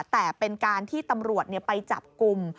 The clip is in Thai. แต่เป็นการที่ตำรวจไปจับกลุ่ม